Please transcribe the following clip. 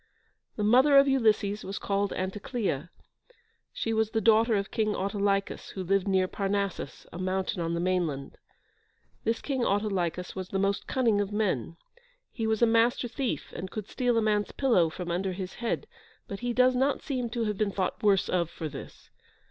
The mother of Ulysses was called Anticleia: she was the daughter of King Autolycus, who lived near Parnassus, a mountain on the mainland. This King Autolycus was the most cunning of men. He was a Master Thief, and could steal a man's pillow from under his head, but he does not seem to have been thought worse of for this.